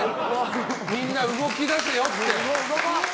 みんな動き出せよって。